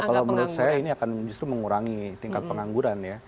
kalau menurut saya ini akan justru mengurangi tingkat pengangguran ya